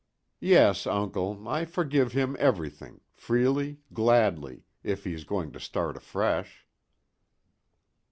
"Yes, uncle, I forgive him everything, freely, gladly if he is going to start afresh."